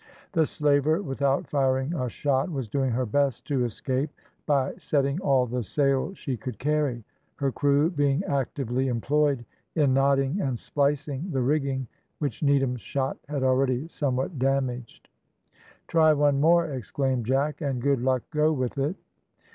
The slaver, without firing a shot, was doing her best to escape, by setting all the sail she could carry; her crew being actively employed in knotting and splicing the rigging, which Needham's shot had already somewhat damaged. "Try one more," exclaimed Jack, "and good luck go with it."